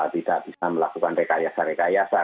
tidak bisa melakukan rekayasa rekayasa